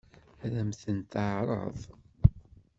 Ad m-ten-teɛṛeḍ?